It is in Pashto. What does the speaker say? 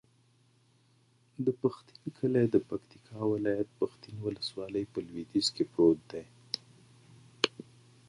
د پښتین کلی د پکتیکا ولایت، پښتین ولسوالي په لویدیځ کې پروت دی.